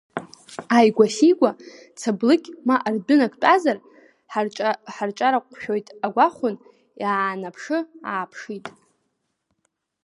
Ааигәа-сигәа цаблыкьк, ма ардәынак тәазар ҳарҿарыҟәшәоит агәахәын иаанаԥшы-ааԥшит.